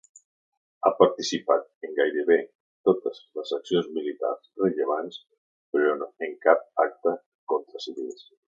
Ha participat en gairebé totes les accions militars rellevants, però en cap acte contra civils.